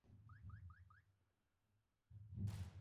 দেখো, ও ফ্লার্ট করছে।